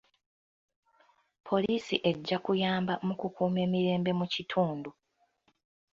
Poliisi ejja kuyamba mu kukuuma emirembe mu kitundu.